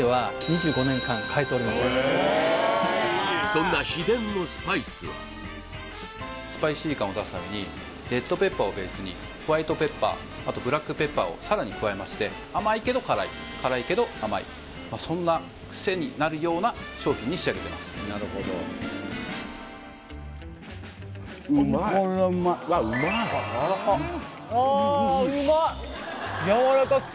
そんな秘伝のスパイスはスパイシー感を出すためにレッドペッパーをベースにホワイトペッパーあとブラックペッパーをさらに加えまして甘いけど辛い辛いけど甘いそんなクセになるような商品に仕上げてますそうっすね出てくるね